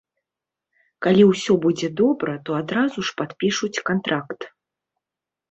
Калі ўсё будзе добра, то адразу ж падпішуць кантракт.